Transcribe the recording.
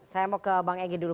saya mau ke bang egy dulu